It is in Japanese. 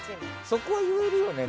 そこは言えるよね？